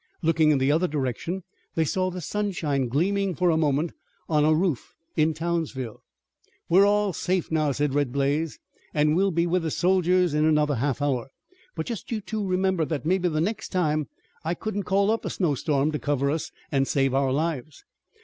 Looking in the other direction they saw the sunshine gleaming for a moment on a roof in Townsville. "We're all safe now," said Red Blaze, "an' we'll be with the soldiers in another half hour. But just you two remember that mebbe the next time I couldn't call up a snowstorm to cover us an' save our lives."